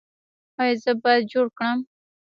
ایا زه باید جوړ کړم؟